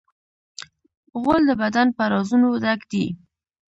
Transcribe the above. غول د بدن په رازونو ډک دی.